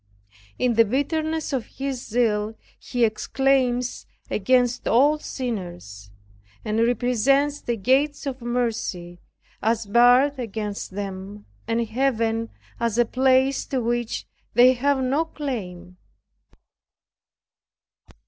In the bitterness of his zeal he exclaims against all sinners, and represents the gates of mercy as barred against them, and Heaven as a place to which they have no claim.